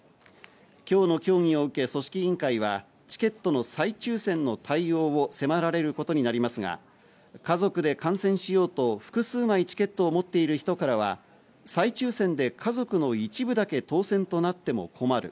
今日の協議を受け、組織委員会はチケットの再抽選の対応に迫られることになりますが、家族で観戦しようと複数枚チケットを持っている人からは、再抽選で家族の一部だけ当選となっても困る。